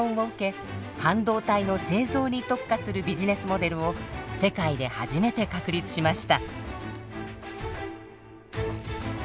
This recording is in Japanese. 半導体の製造に特化するビジネスモデルを世界で初めて確立しました。